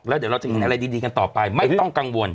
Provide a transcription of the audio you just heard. แล้วเดี๋ยวเราจะเห็นอะไรดีกันต่อไปไม่ต้องกังวล